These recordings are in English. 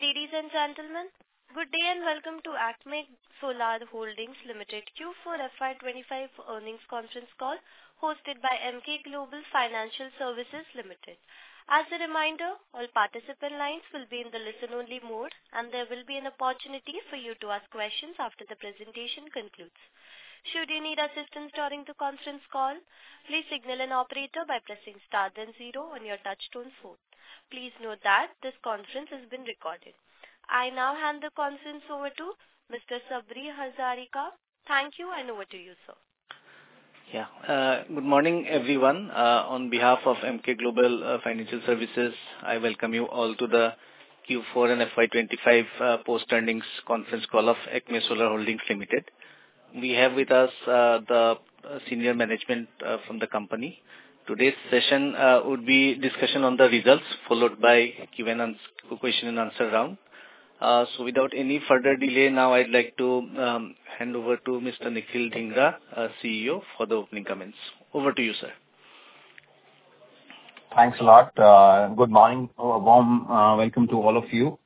Ladies and gentlemen, good day and welcome to ACME Solar Holdings Limited, Q4 FY 2025 earnings conference call hosted by Emkay Global Financial Services Limited. As a reminder, all participant lines will be in the listen-only mode, and there will be an opportunity for you to ask questions after the presentation concludes. Should you need assistance during the conference call, please signal an operator by pressing star then zero on your touch-tone phone. Please note that this conference has been recorded. I now hand the conference over to Mr. Sabri Hazarika. Thank you, and over to you, sir. Yeah. Good morning, everyone. On behalf of Emkay Global Financial Services, I welcome you all to the Q4 and FY 2025 post-earnings conference call of ACME Solar Holdings Limited. We have with us the senior management from the company. Today's session would be a discussion on the results, followed by Q&A question and answer round. Without any further delay, now I'd like to hand over to Mr. Nikhil Dhingra, CEO, for the opening comments. Over to you, sir. Thanks a lot. Good morning. Warm welcome to all of you.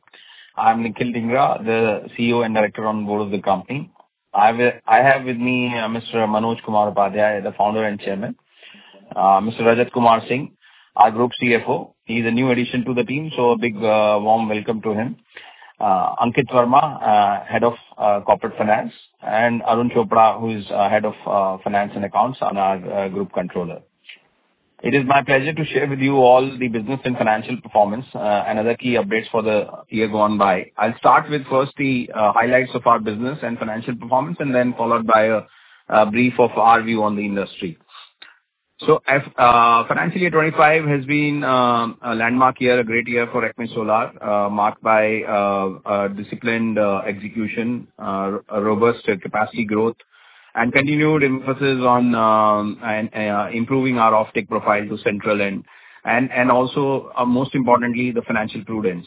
I'm Nikhil Dhingra, the CEO and director on board of the company. I have with me Mr. Manoj Kumar Upadhyay, the founder and chairman. Mr. Rajat Kumar Singh, our group CFO. He's a new addition to the team, so a big warm welcome to him. Ankit Verma, head of corporate finance, and Arun Chopra, who is head of finance and accounts and our group controller. It is my pleasure to share with you all the business and financial performance and other key updates for the year going by. I'll start with first the highlights of our business and financial performance, and then followed by a brief of our view on the industry. Financial year 2025 has been a landmark year, a great year for ACME Solar, marked by disciplined execution, robust capacity growth, and continued emphasis on improving our offtake profile to central, and also, most importantly, the financial prudence.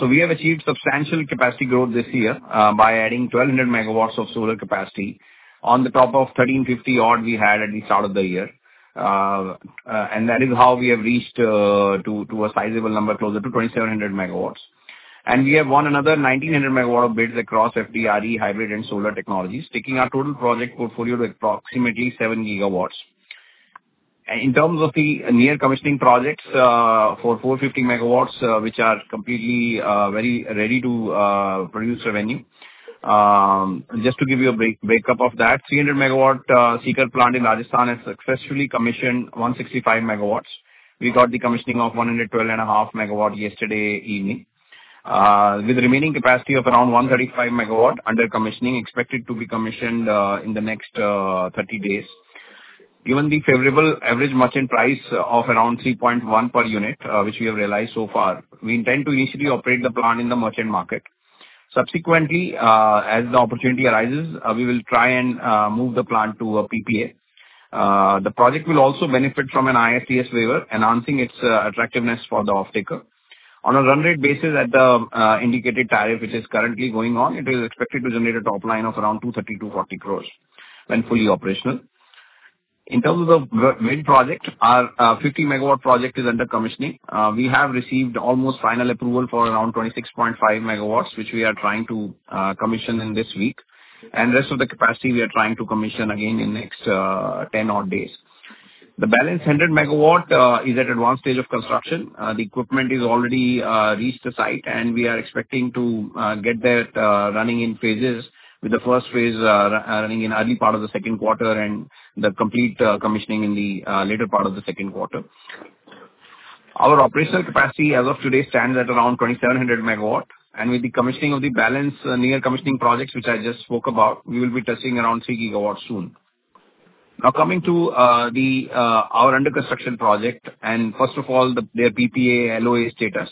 We have achieved substantial capacity growth this year by adding 1,200 MW of solar capacity on top of the 1,350-odd we had at the start of the year. That is how we have reached a sizable number closer to 2,700 MW. We have won another 1,900 MW of bids across FDRE, hybrid, and solar technologies, taking our total project portfolio to approximately 7 GW. In terms of the near-commissioning projects for 450 MW, which are completely ready to produce revenue, just to give you a breakup of that, the 300 MW Sikar plant in Rajasthan has successfully commissioned 165 MW. We got the commissioning of 112.5 MW yesterday evening, with the remaining capacity of around 135 MW under commissioning, expected to be commissioned in the next 30 days. Given the favorable average merchant price of around 3.1 per unit, which we have realized so far, we intend to initially operate the plant in the merchant market. Subsequently, as the opportunity arises, we will try and move the plant to a PPA. The project will also benefit from an GEIST waiver, enhancing its attractiveness for the offtaker. On a run rate basis, at the indicated tariff, which is currently going on, it is expected to generate a top line of around 230-240 crores when fully operational. In terms of the mid-project, our 50 MW project is under commissioning. We have received almost final approval for around 26.5 MW, which we are trying to commission in this week. The rest of the capacity, we are trying to commission again in the next 10 odd days. The balance, 100 MW, is at advanced stage of construction. The equipment has already reached the site, and we are expecting to get that running in phases, with the first phase running in the early part of the second quarter and the complete commissioning in the later part of the second quarter. Our operational capacity, as of today, stands at around 2,700 MW. With the commissioning of the balance, near-commissioning projects, which I just spoke about, we will be touching around 3 GW soon. Now, coming to our under-construction project, and first of all, their PPA LOA status.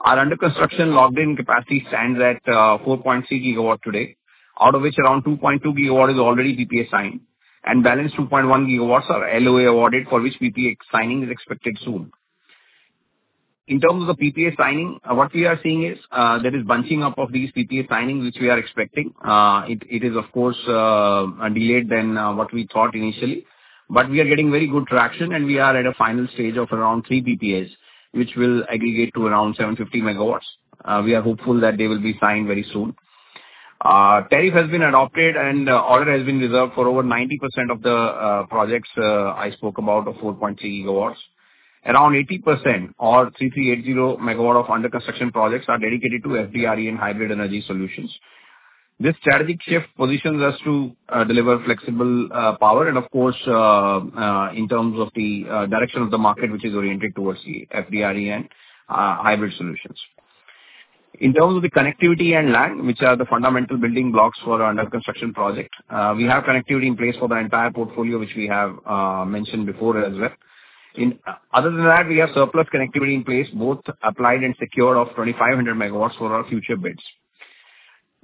Our under-construction logged-in capacity stands at 4.3 GW today, out of which around 2.2 GW is already PPA signed. The balance 2.1 GW are LOA awarded, for which PPA signing is expected soon. In terms of the PPA signing, what we are seeing is there is bunching up of these PPA signings, which we are expecting. It is, of course, delayed than what we thought initially. We are getting very good traction, and we are at a final stage of around three PPAs, which will aggregate to around 750 MW. We are hopeful that they will be signed very soon. Tariff has been adopted, and order has been reserved for over 90% of the projects I spoke about of 4.3 GW. Around 80%, or 3,380 MW of under-construction projects, are dedicated to FDRE and hybrid energy solutions. This strategic shift positions us to deliver flexible power, and of course, in terms of the direction of the market, which is oriented towards the FDRE and hybrid solutions. In terms of the connectivity and LAN, which are the fundamental building blocks for our under-construction project, we have connectivity in place for the entire portfolio, which we have mentioned before as well. Other than that, we have surplus connectivity in place, both applied and secured, of 2,500 MW for our future bids.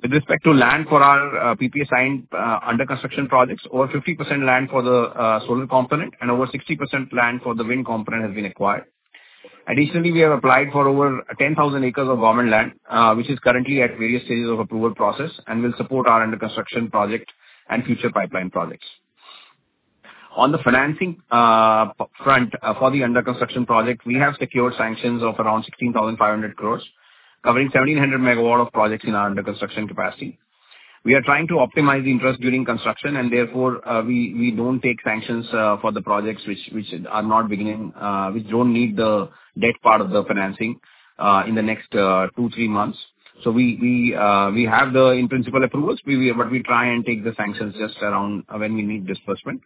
With respect to land for our PPA signed under-construction projects, over 50% land for the solar component and over 60% land for the wind component has been acquired. Additionally, we have applied for over 10,000 acres of government land, which is currently at various stages of approval process and will support our under-construction project and future pipeline projects. On the financing front for the under-construction project, we have secured sanctions of around 16,500 crore, covering 1,700 MW of projects in our under-construction capacity. We are trying to optimize the interest during construction, and therefore, we don't take sanctions for the projects which are not beginning, which don't need the debt part of the financing in the next two-three months. We have the in-principal approvals, but we try and take the sanctions just around when we need disbursement.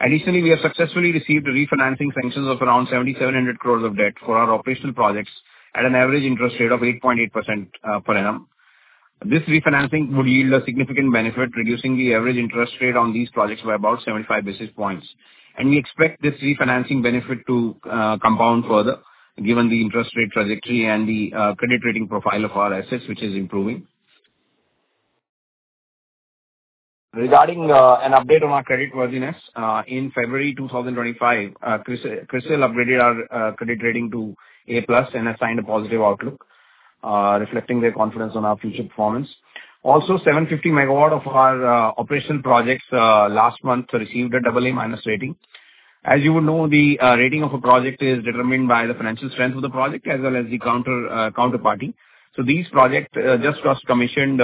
Additionally, we have successfully received refinancing sanctions of around 7,700 crore of debt for our operational projects at an average interest rate of 8.8% per annum. This refinancing would yield a significant benefit, reducing the average interest rate on these projects by about 75 basis points. We expect this refinancing benefit to compound further, given the interest rate trajectory and the credit rating profile of our assets, which is improving. Regarding an update on our creditworthiness, in February 2025, Crisil upgraded our credit rating to A+ and assigned a positive outlook, reflecting their confidence on our future performance. Also, 750 MW of our operational projects last month received a double A-rating. As you would know, the rating of a project is determined by the financial strength of the project as well as the counterparty. These projects, just as commissioned,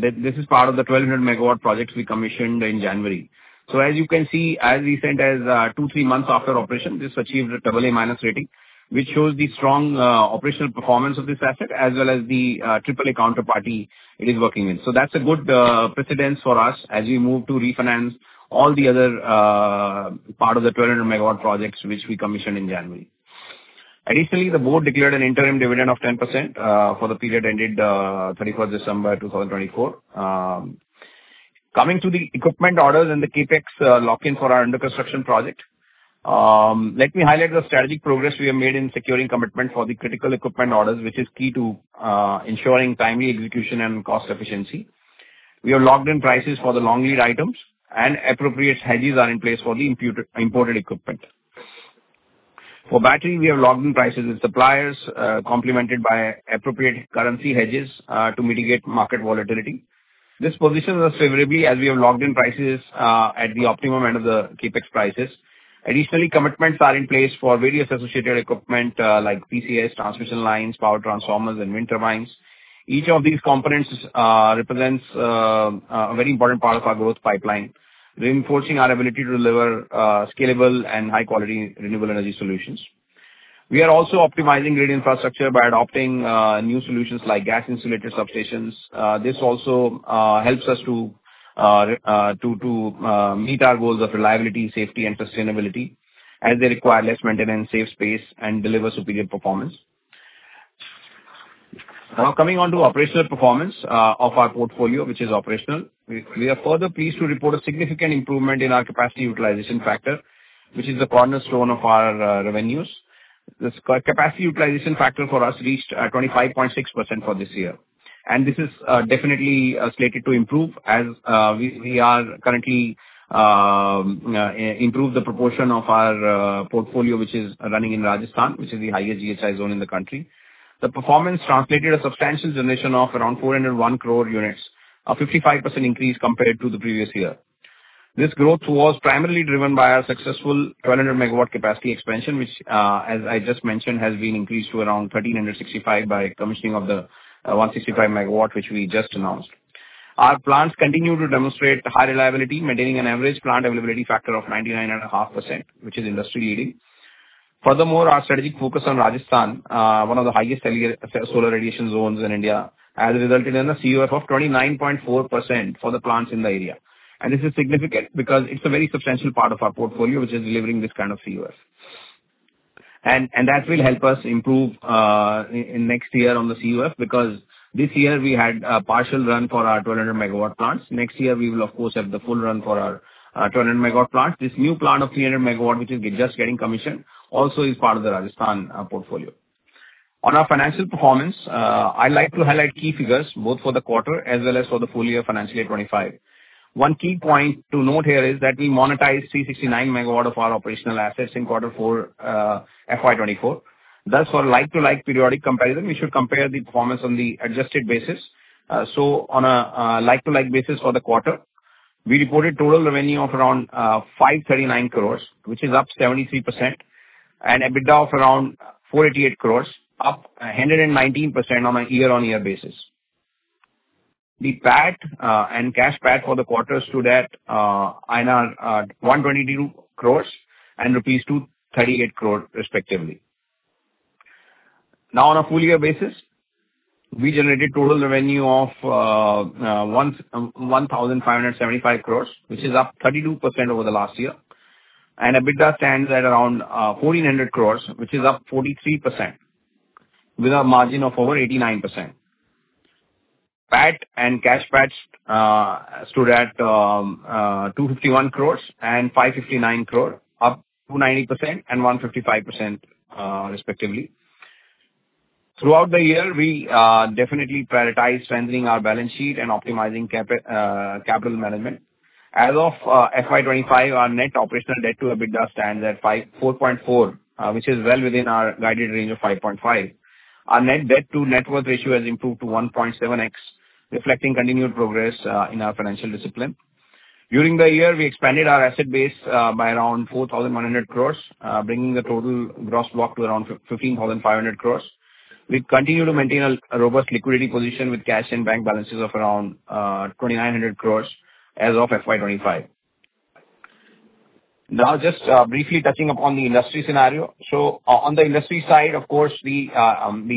this is part of the 1,200 MW projects we commissioned in January. As you can see, as recent as two, three months after operation, this achieved a double A-rating, which shows the strong operational performance of this asset as well as the triple A counterparty it is working in. That is a good precedence for us as we move to refinance all the other part of the 1,200 MW projects which we commissioned in January. Additionally, the board declared an interim dividend of 10% for the period ended 31st December 2024. Coming to the equipment orders and the CapEx lock-in for our under-construction project, let me highlight the strategic progress we have made in securing commitment for the critical equipment orders, which is key to ensuring timely execution and cost efficiency. We have locked in prices for the long lead items, and appropriate hedges are in place for the imported equipment. For battery, we have locked in prices with suppliers, complemented by appropriate currency hedges to mitigate market volatility. This positions us favorably as we have locked in prices at the optimum end of the CapEx prices. Additionally, commitments are in place for various associated equipment like PCS, transmission lines, power transformers, and wind turbines. Each of these components represents a very important part of our growth pipeline, reinforcing our ability to deliver scalable and high-quality renewable energy solutions. We are also optimizing grid infrastructure by adopting new solutions like gas-insulated substations. This also helps us to meet our goals of reliability, safety, and sustainability, as they require less maintenance, save space, and deliver superior performance. Now, coming on to operational performance of our portfolio, which is operational, we are further pleased to report a significant improvement in our capacity utilization factor, which is the cornerstone of our revenues. The capacity utilization factor for us reached 25.6% for this year. This is definitely slated to improve as we are currently improving the proportion of our portfolio, which is running in Rajasthan, which is the highest GHI zone in the country. The performance translated a substantial generation of around 401 crore units, a 55% increase compared to the previous year. This growth was primarily driven by our successful 1,200 MW capacity expansion, which, as I just mentioned, has been increased to around 1,365 by commissioning of the 165 MW, which we just announced. Our plants continue to demonstrate high reliability, maintaining an average plant availability factor of 99.5%, which is industry-leading. Furthermore, our strategic focus on Rajasthan, one of the highest solar radiation zones in India, has resulted in a CUF of 29.4% for the plants in the area. This is significant because it is a very substantial part of our portfolio, which is delivering this kind of CUF. That will help us improve next year on the CUF because this year we had a partial run for our 1,200 MW plants. Next year, we will, of course, have the full run for our 1,200 MW plants. This new plant of 300 MW, which is just getting commissioned, also is part of the Rajasthan portfolio. On our financial performance, I would like to highlight key figures, both for the quarter as well as for the full year financial year 2025. One key point to note here is that we monetized 369 MW of our operational assets in quarter four FY 2024. Thus, for a like-to-like periodic comparison, we should compare the performance on the adjusted basis. On a like-to-like basis for the quarter, we reported total revenue of around 539 crore, which is up 73%, and EBITDA of around 488 crore, up 119% on a year-on-year basis. The PAT and cash PAT for the quarter stood at INR 122 crore and rupees 238 crore, respectively. Now, on a full year basis, we generated total revenue of 1,575 crore, which is up 32% over the last year. EBITDA stands at around 1,400 crore, which is up 43%, with a margin of over 89%. PAT and cash PAT stood at 251 crore and 559 crore, up 290% and 155%, respectively. Throughout the year, we definitely prioritized strengthening our balance sheet and optimizing capital management. As of FY 2025, our net operational debt to EBITDA stands at 4.4, which is well within our guided range of 5.5. Our net debt to net worth ratio has improved to 1.7x, reflecting continued progress in our financial discipline. During the year, we expanded our asset base by around 4,100 crore, bringing the total gross block to around 15,500 crore. We continue to maintain a robust liquidity position with cash and bank balances of around 2,900 crore as of FY 2025. Now, just briefly touching upon the industry scenario. On the industry side, of course, the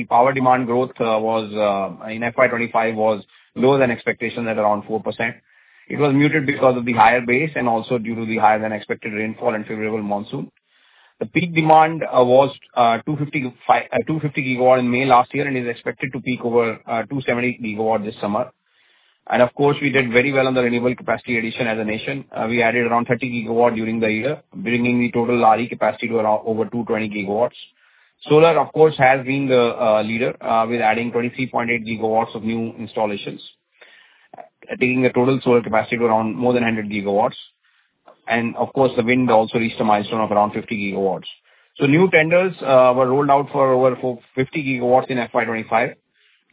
power demand growth in FY2025 was lower than expectations at around 4%. It was muted because of the higher base and also due to the higher-than-expected rainfall and favorable monsoon. The peak demand was 250 GW in May last year and is expected to peak over 270 GW this summer. Of course, we did very well on the renewable capacity addition as a nation. We added around 30 GW during the year, bringing the total RE capacity to over 220 GW. Solar, of course, has been the leader, with adding 23.8 GW of new installations, taking the total solar capacity to around more than 100 GW. The wind also reached a milestone of around 50 GW. New tenders were rolled out for over 50 GW in FY 2025,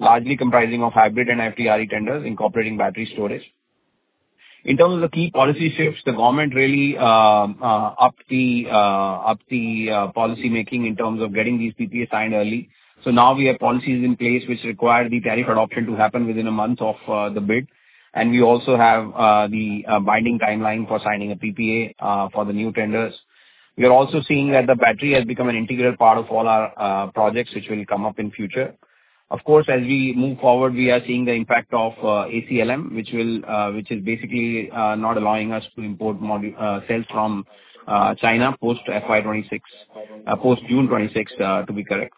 largely comprising of hybrid and FDRE tenders, incorporating battery storage. In terms of the key policy shifts, the government really upped the policymaking in terms of getting these PPAs signed early. Now we have policies in place which require the tariff adoption to happen within a month of the bid. We also have the binding timeline for signing a PPA for the new tenders. We are also seeing that the battery has become an integral part of all our projects, which will come up in future. Of course, as we move forward, we are seeing the impact of ACLM, which is basically not allowing us to import cells from China post-June 26, to be correct.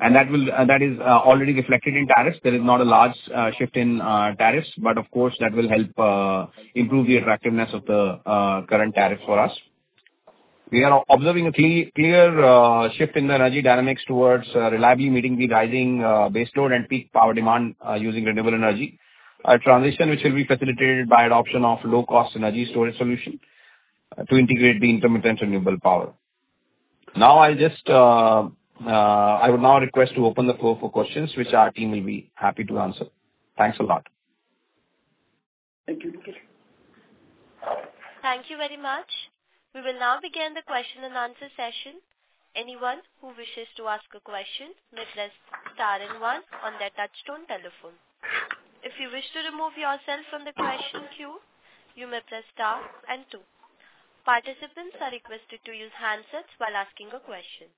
That is already reflected in tariffs. There is not a large shift in tariffs, but of course, that will help improve the attractiveness of the current tariffs for us. We are observing a clear shift in the energy dynamics towards reliably meeting the rising baseload and peak power demand using renewable energy, a transition which will be facilitated by adoption of low-cost energy storage solutions to integrate the intermittent renewable power. Now, I would now request to open the floor for questions, which our team will be happy to answer. Thanks a lot. Thank you. Thank you very much. We will now begin the question-and-answer session. Anyone who wishes to ask a question may press star and one on their touchstone telephone. If you wish to remove yourself from the question queue, you may press star and two. Participants are requested to use handsets while asking a question.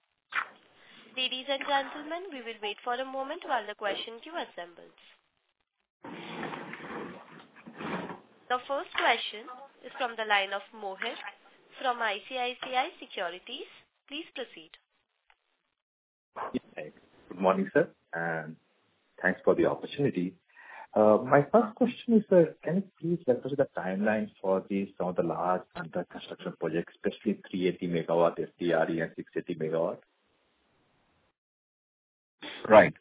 Ladies and gentlemen, we will wait for a moment while the question queue assembles. The first question is from the line of Mohit from ICICI Securities. Please proceed. Good morning, sir. Thanks for the opportunity. My first question is, can you please refer to the timeline for some of the large under-construction projects, especially 380 MW FDRE and 680 MW? Right.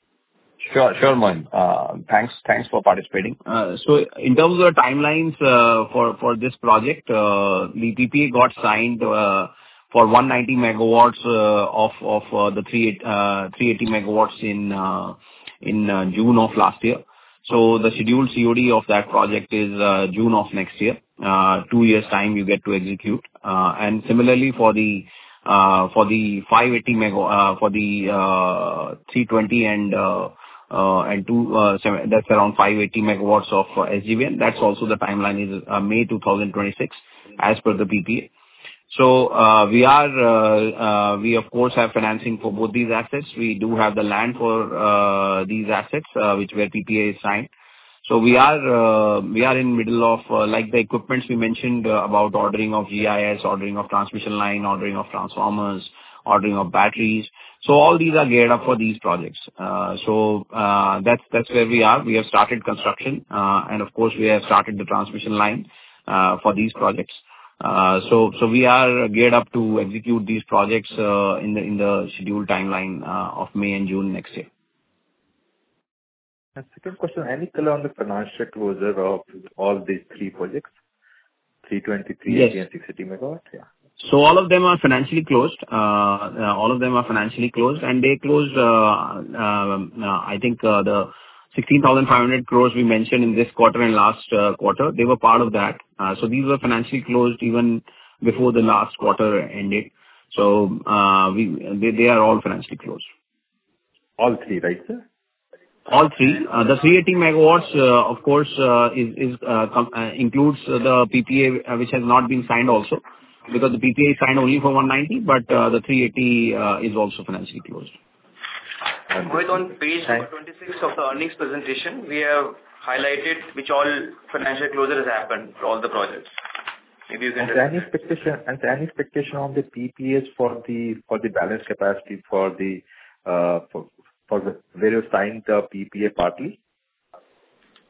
Sure, sure, Mohit. Thanks for participating. In terms of the timelines for this project, the PPA got signed for 190 MW of the 380 MW in June of last year. The scheduled COD of that project is June of next year, two years' time you get to execute. Similarly, for the 580 MW, for the 320 MW, and that is around 580 MW of SJVN, the timeline is May 2026 as per the PPA. We, of course, have financing for both these assets. We do have the land for these assets, which were PPA-signed. We are in the middle of the equipment we mentioned about ordering of GIS, ordering of transmission line, ordering of transformers, ordering of batteries. All these are geared up for these projects. That is where we are. We have started construction. Of course, we have started the transmission line for these projects. We are geared up to execute these projects in the scheduled timeline of May and June next year. Second question, any color on the financial closure of all these three projects, 320, 380, and 680 MW? Yeah. All of them are financially closed. All of them are financially closed. They closed, I think, the 16,500 crores we mentioned in this quarter and last quarter. They were part of that. These were financially closed even before the last quarter ended. They are all financially closed. All three, right, sir? All three. The 380 MW, of course, includes the PPA, which has not been signed also, because the PPA is signed only for 190, but the 380 is also financially closed. Mohit, on page 26 of the earnings presentation, we have highlighted which all financial closures have happened for all the projects. If you can—Is there any expectation on the PPAs for the balanced capacity for the various signed PPA parties?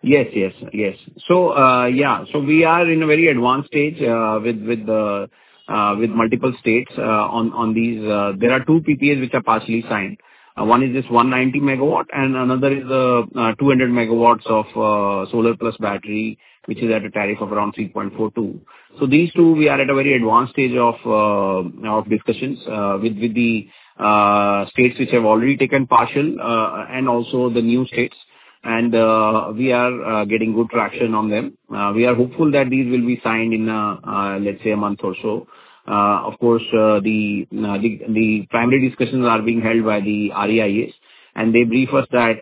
Yes, yes, yes. Yeah. We are in a very advanced stage with multiple states on these. There are two PPAs which are partially signed. One is this 190 MW, and another is the 200 MW of solar plus battery, which is at a tariff of around 3.42. These two, we are at a very advanced stage of discussions with the states which have already taken partial and also the new states. We are getting good traction on them. We are hopeful that these will be signed in, let's say, a month or so. Of course, the primary discussions are being held by the REIAs, and they brief us that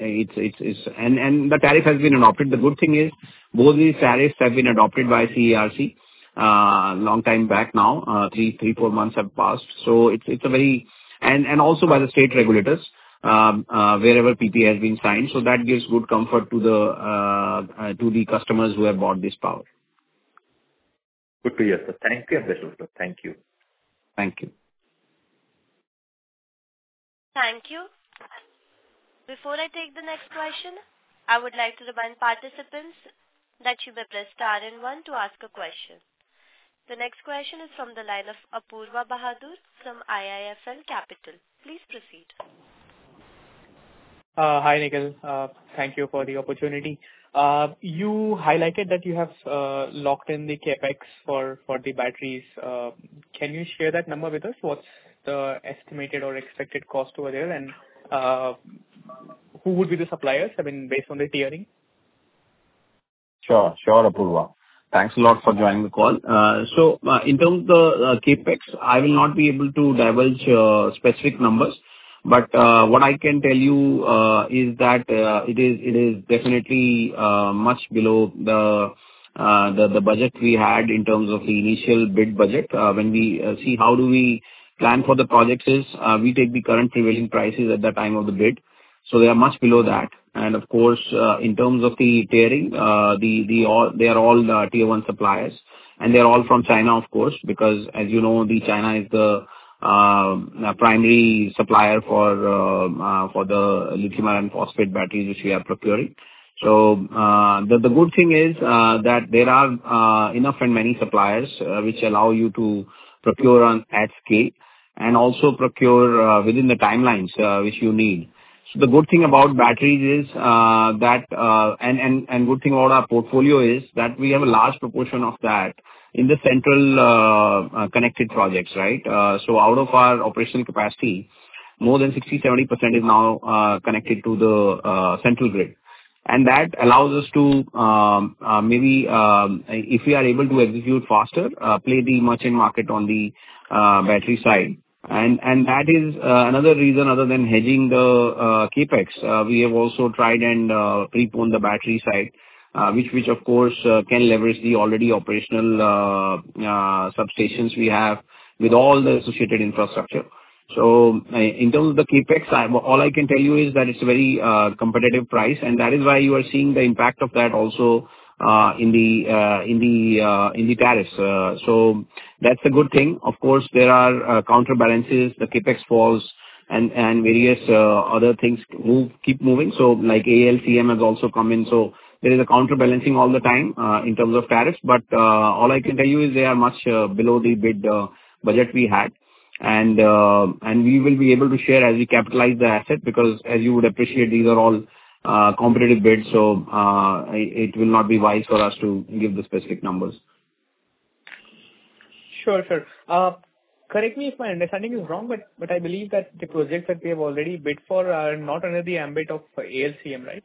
it's—and the tariff has been adopted. The good thing is both these tariffs have been adopted by CERC a long time back now. Three, four months have passed. It is a very—and also by the state regulators wherever PPA has been signed. That gives good comfort to the customers who have bought this power. Good to hear, sir. Thank you very much, sir. Thank you. Thank you. Thank you. Before I take the next question, I would like to remind participants that you may press star and one to ask a question. The next question is from the line of Apoorva Bahadur from IIFL Capital. Please proceed. Hi, Nikhil. Thank you for the opportunity. You highlighted that you have locked in the CapEx for the batteries. Can you share that number with us? What's the estimated or expected cost over there, and who would be the suppliers, I mean, based on the tiering? Sure, sure, Apoorva. Thanks a lot for joining the call. In terms of the CapEx, I will not be able to divulge specific numbers, but what I can tell you is that it is definitely much below the budget we had in terms of the initial bid budget. When we see how do we plan for the projects, we take the current prevailing prices at the time of the bid. They are much below that. Of course, in terms of the tiering, they are all tier one suppliers, and they are all from China, of course, because, as you know, China is the primary supplier for the lithium-ion phosphate batteries which we are procuring. The good thing is that there are enough and many suppliers which allow you to procure at scale and also procure within the timelines which you need. The good thing about batteries is that—and the good thing about our portfolio is that we have a large proportion of that in the central connected projects, right? Out of our operational capacity, more than 60%-70% is now connected to the central grid. That allows us to maybe, if we are able to execute faster, play the merchant market on the battery side. That is another reason other than hedging the CapEx. We have also tried and preponed the battery side, which, of course, can leverage the already operational substations we have with all the associated infrastructure. In terms of the CapEx, all I can tell you is that it is a very competitive price, and that is why you are seeing the impact of that also in the tariffs. That is a good thing. Of course, there are counterbalances. The CapEx falls and various other things keep moving. ALCM has also come in. There is a counterbalancing all the time in terms of tariffs. All I can tell you is they are much below the bid budget we had. We will be able to share as we capitalize the asset because, as you would appreciate, these are all competitive bids. It will not be wise for us to give the specific numbers. Sure, sure. Correct me if my understanding is wrong, but I believe that the projects that we have already bid for are not under the ambit of ALCM, right?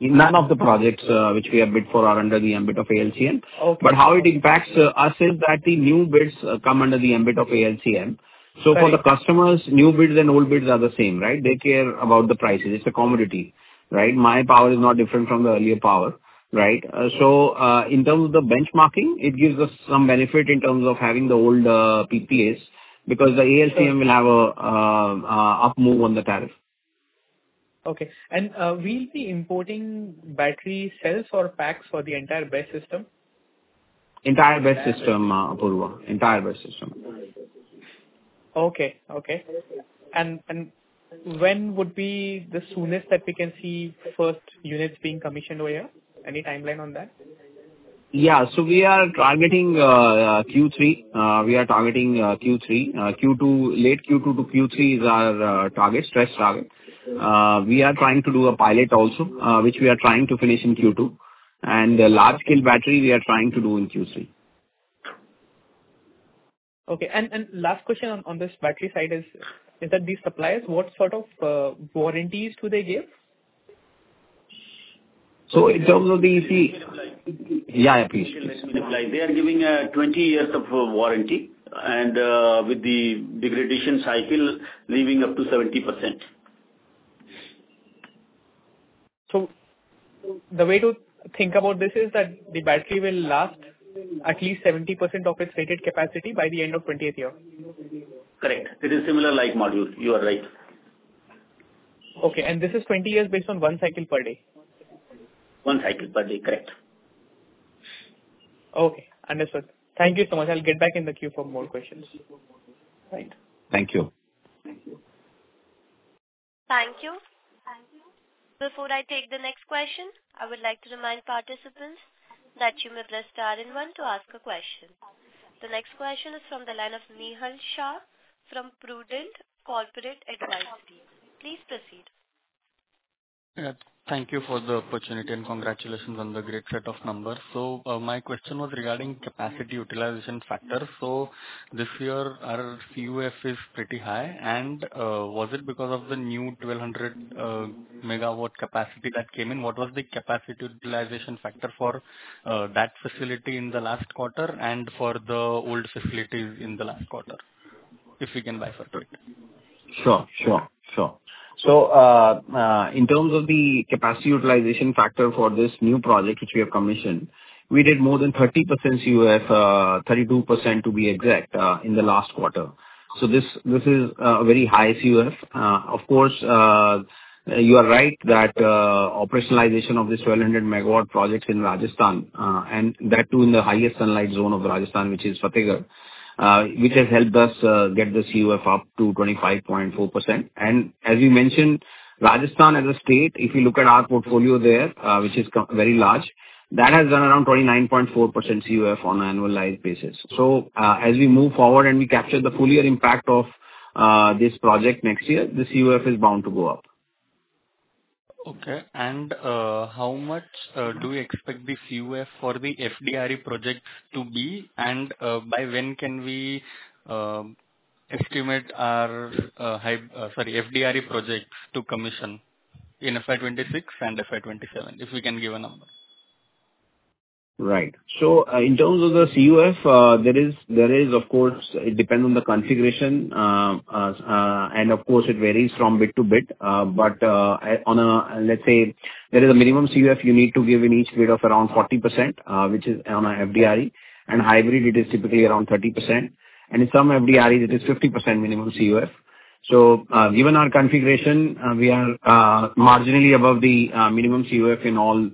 None of the projects which we have bid for are under the ambit of ALCM. How it impacts us is that the new bids come under the ambit of ALCM. For the customers, new bids and old bids are the same, right? They care about the prices. It is a commodity, right? My power is not different from the earlier power, right? In terms of the benchmarking, it gives us some benefit in terms of having the old PPAs because the ALCM will have an up move on the tariff. Okay. Will the importing battery cells or packs be for the entire BESS system? Entire BESS system, Apoorva. Entire BESS system. Okay, okay. When would be the soonest that we can see first units being commissioned over here? Any timeline on that? Yeah. We are targeting Q3. We are targeting Q3. Late Q2 to Q3 is our target, stress target. We are trying to do a pilot also, which we are trying to finish in Q2. The large-scale battery, we are trying to do in Q3. Okay. Last question on this battery side is that these suppliers, what sort of warranties do they give? In terms of the—yeah, yeah, please. They are giving 20 years of warranty and with the degradation cycle leaving up to 70%. The way to think about this is that the battery will last at least 70% of its rated capacity by the end of the 20th year. Correct. It is similar like module. You are right. Okay. This is 20 years based on one cycle per day? One cycle per day. Correct. Okay. Understood. Thank you so much. I'll get back in the queue for more questions. Right. Thank you. Thank you. Before I take the next question, I would like to remind participants that you may press star and one to ask a question. The next question is from the line of Nihal Shah from Prudent Corporate Advisory. Please proceed. Thank you for the opportunity and congratulations on the great set of numbers. My question was regarding capacity utilization factors. This year, our CUF is pretty high. Was it because of the new 1,200 MW capacity that came in? What was the capacity utilization factor for that facility in the last quarter and for the old facilities in the last quarter, if we can bifurcate? Sure, sure, sure. In terms of the capacity utilization factor for this new project which we have commissioned, we did more than 30% CUF, 32% to be exact, in the last quarter. This is a very high CUF. Of course, you are right that operationalization of this 1,200 MW project in Rajasthan, and that too in the highest sunlight zone of Rajasthan, which is Fatehgarh, has helped us get the CUF up to 25.4%. As we mentioned, Rajasthan as a state, if you look at our portfolio there, which is very large, that has done around 29.4% CUF on an annualized basis. As we move forward and we capture the full year impact of this project next year, the CUF is bound to go up. Okay. How much do we expect the CUF for the FDRE projects to be, and by when can we estimate our—sorry—FDRE projects to commission in FY 2026 and FY 2027, if we can give a number? Right. In terms of the CUF, there is, of course, it depends on the configuration, and of course, it varies from bid to bid. On a, let's say, there is a minimum CUF you need to give in each bid of around 40%, which is on an FDRE. In hybrid, it is typically around 30%. In some FDREs, it is 50% minimum CUF. Given our configuration, we are marginally above the minimum CUF in all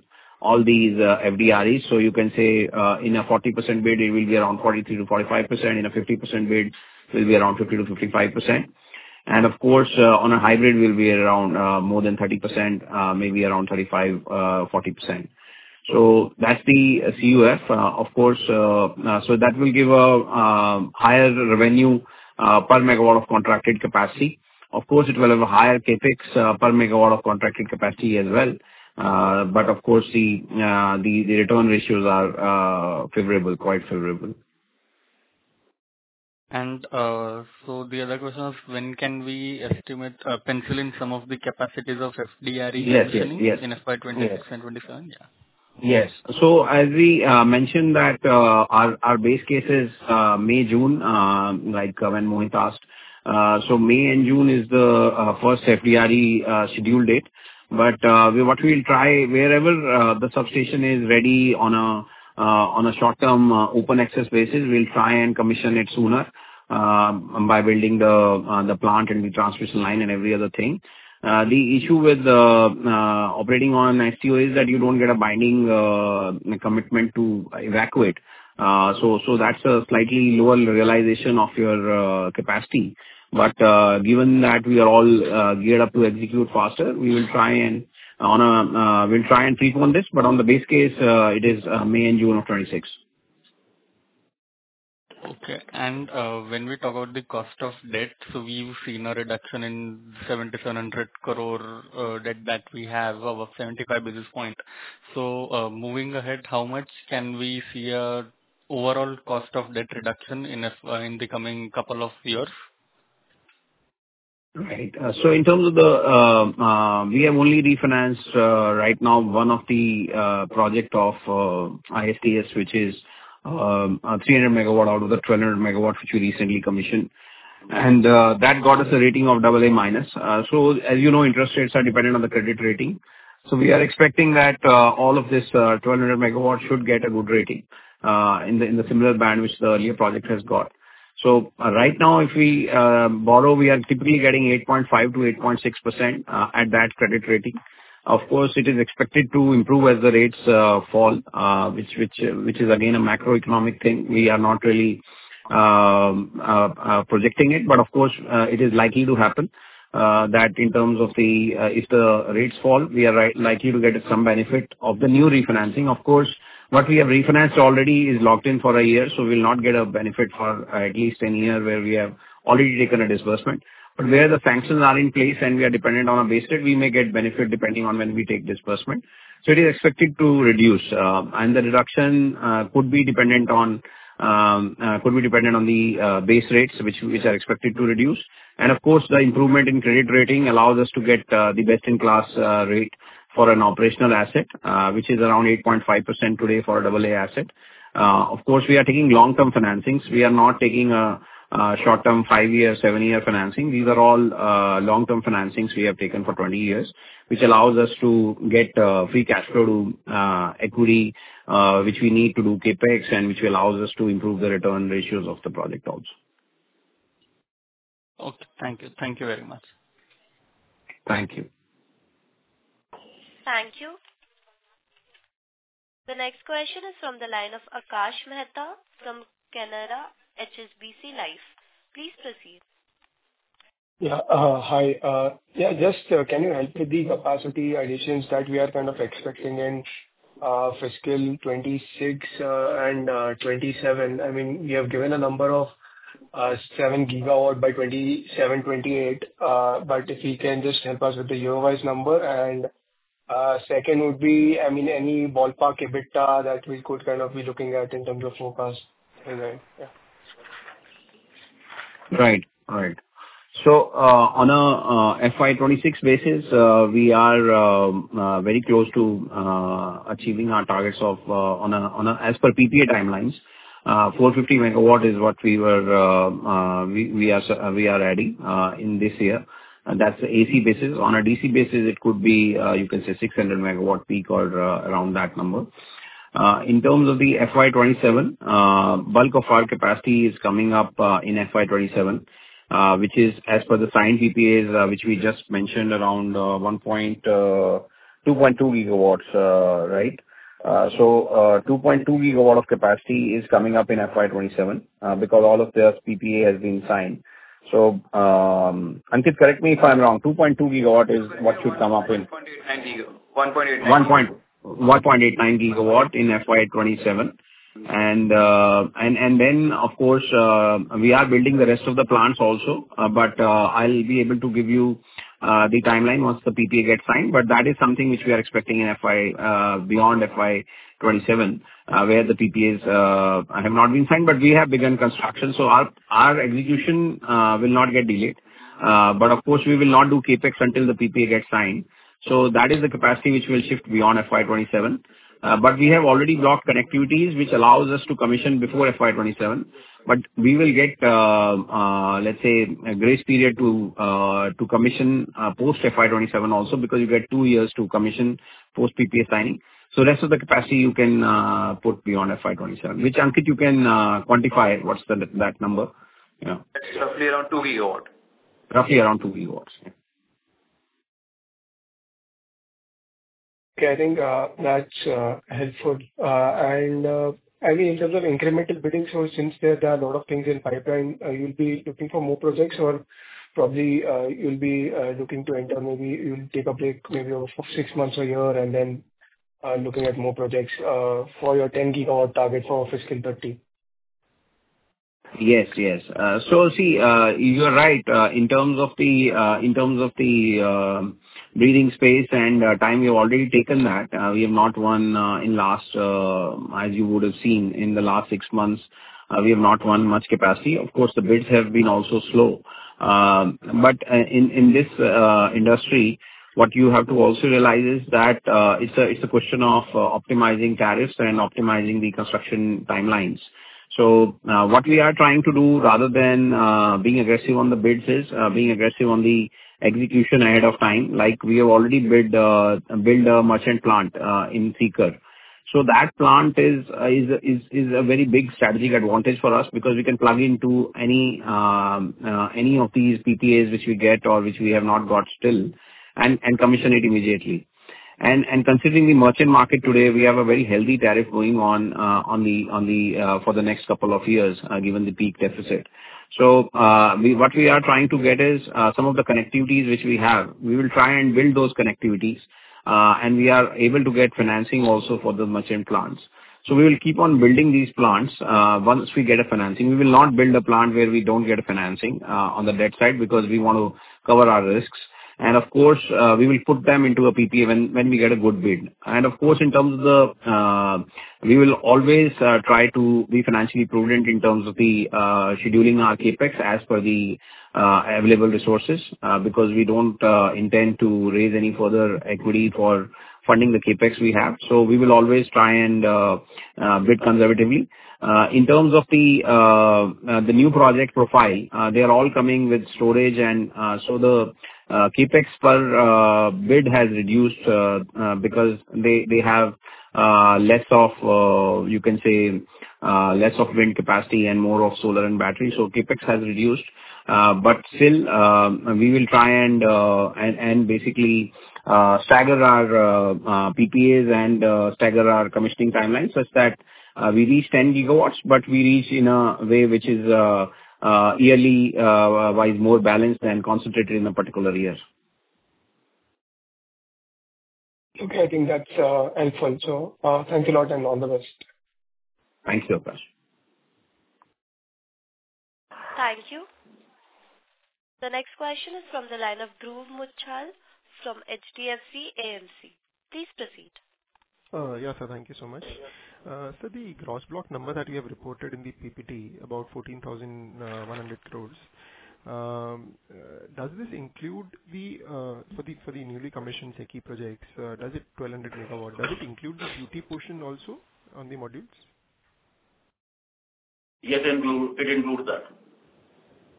these FDREs. You can say in a 40% bid, it will be around 43%-45%. In a 50% bid, it will be around 50%-55%. On a hybrid, we will be around more than 30%, maybe around 35%-40%. That is the CUF. That will give a higher revenue per MW of contracted capacity. It will have a higher CapEx per MW of contracted capacity as well. The return ratios are favorable, quite favorable. The other question is, when can we estimate or pencil in some of the capacities of FDRE in FY 2026 and FY 2027? Yes. As we mentioned, our base case is May, June, like when Mohit asked. May and June is the first FDRE scheduled date. What we'll try, wherever the substation is ready on a short-term open access basis, we'll try and commission it sooner by building the plant and the transmission line and every other thing. The issue with operating on an STO is that you do not get a binding commitment to evacuate. That is a slightly lower realization of your capacity. Given that we are all geared up to execute faster, we will try and—we'll try and pre-pone this. On the base case, it is May and June of 2026. Okay. When we talk about the cost of debt, we have seen a reduction in 7,700 crore debt that we have of 75 basis points. Moving ahead, how much can we see an overall cost of debt reduction in the coming couple of years? Right. In terms of the—we have only refinanced right now one of the projects of GEIST, which is 300 MW out of the 1,200 MW which we recently commissioned. That got us a rating of AA minus. As you know, interest rates are dependent on the credit rating. We are expecting that all of this 1,200 MW should get a good rating in the similar band which the earlier project has got. Right now, if we borrow, we are typically getting 8.5%-8.6% at that credit rating. Of course, it is expected to improve as the rates fall, which is again a macroeconomic thing. We are not really projecting it, but of course, it is likely to happen that if the rates fall, we are likely to get some benefit of the new refinancing. Of course, what we have refinanced already is locked in for a year, so we'll not get a benefit for at least 10 years where we have already taken a disbursement. Where the sanctions are in place and we are dependent on a base rate, we may get benefit depending on when we take disbursement. It is expected to reduce. The reduction could be dependent on the base rates which are expected to reduce. Of course, the improvement in credit rating allows us to get the best-in-class rate for an operational asset, which is around 8.5% today for a AA asset. We are taking long-term financings. We are not taking a short-term 5-year, 7-year financing. These are all long-term financings we have taken for 20 years, which allows us to get free cash flow to equity which we need to do CapEx and which allows us to improve the return ratios of the project also. Okay. Thank you. Thank you very much. Thank you. Thank you. The next question is from the line of Akash Mehta from Canara HSBC Life. Please proceed. Yeah. Hi. Yeah. Just can you help with the capacity additions that we are kind of expecting in fiscal 2026 and 2027? I mean, we have given a number of 7 GW by 2027, 2028. But if you can just help us with the year-wise number. And second would be, I mean, any ballpark EBITDA that we could kind of be looking at in terms of forecast. Yeah. Right. Right. On an FY 2026 basis, we are very close to achieving our targets as per PPA timelines. 450 MW is what we are adding in this year. That is the AC basis. On a DC basis, it could be, you can say, 600 MW peak or around that number. In terms of FY 2027, bulk of our capacity is coming up in FY 2027, which is as per the signed PPAs, which we just mentioned, around 2.2 GW, right? 2.2 GW of capacity is coming up in FY 2027 because all of the PPA has been signed. Ankit, correct me if I am wrong. 2.2 GW is what should come up in—1.89 GW. 1.89 GW. 1.89 GW in FY 2027. Of course, we are building the rest of the plants also. I will be able to give you the timeline once the PPA gets signed. That is something which we are expecting beyond FY 2027, where the PPAs have not been signed, but we have begun construction. Our execution will not get delayed. Of course, we will not do CapEx until the PPA gets signed. That is the capacity which will shift beyond FY 2027. We have already blocked connectivities, which allows us to commission before FY 2027. We will get, let's say, a grace period to commission post-FY 2027 also because you get two years to commission post-PPA signing. The rest of the capacity you can put beyond FY 2027, which, Ankit, you can quantify what's that number. Yeah. Roughly around 2 GW. Roughly around 2 GW. Yeah. Okay. I think that's helpful. I mean, in terms of incremental bidding, since there are a lot of things in pipeline, you'll be looking for more projects or probably you'll be looking to enter, maybe you'll take a break, maybe of six months or a year, and then looking at more projects for your 10-GW target for fiscal 2030? Yes, yes. You are right. In terms of the breathing space and time, we have already taken that. We have not won in last, as you would have seen in the last six months, we have not won much capacity. Of course, the bids have been also slow. In this industry, what you have to also realize is that it's a question of optimizing tariffs and optimizing the construction timelines. What we are trying to do rather than being aggressive on the bids is being aggressive on the execution ahead of time. Like we have already built a merchant plant in Sikar. That plant is a very big strategic advantage for us because we can plug into any of these PPAs which we get or which we have not got still and commission it immediately. Considering the merchant market today, we have a very healthy tariff going on for the next couple of years given the peak deficit. What we are trying to get is some of the connectivities which we have. We will try and build those connectivities, and we are able to get financing also for the merchant plants. We will keep on building these plants once we get financing. We will not build a plant where we do not get financing on the debt side because we want to cover our risks. Of course, we will put them into a PPA when we get a good bid. In terms of the, we will always try to be financially prudent in terms of scheduling our CapEx as per the available resources because we do not intend to raise any further equity for funding the CapEx we have. We will always try and bid conservatively. In terms of the new project profile, they are all coming with storage. The CapEx per bid has reduced because they have less of, you can say, less of wind capacity and more of solar and battery. CapEx has reduced. But still, we will try and basically stagger our PPAs and stagger our commissioning timelines such that we reach 10 GW, but we reach in a way which is yearly-wise more balanced and concentrated in a particular year. Okay. I think that's helpful. Thank you a lot and all the best. Thank you, Akash. Thank you. The next question is from the line of Dhruv Muchhal from HDFC AMC. Please proceed. Yes, sir. Thank you so much. The gross block number that we have reported in the PPT, about 14,100 crore, does this include for the newly commissioned secchi projects, does it 1,200 MW, does it include the duty portion also on the modules? Yes, it includes that.